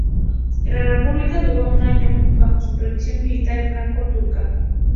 La república duró un año, bajo supervisión militar franco-turca.